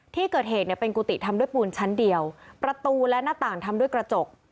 ที่เกิดเหตุเนี่ยเป็นกุฏิทำด้วยปูนชั้นเดียวประตูและหน้าต่างทำด้วยกระจก